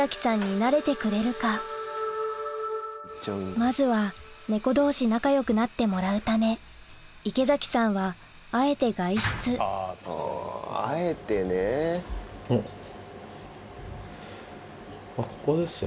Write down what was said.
まずは猫同士仲よくなってもらうため池崎さんはあえて外出おっここですよね。